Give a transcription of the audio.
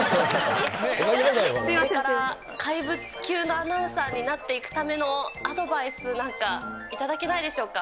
すみません、怪物級のアナウンサーになっていくためのアドバイスなんか頂けないでしょうか。